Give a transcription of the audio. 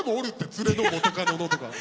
連れの元カノのとか。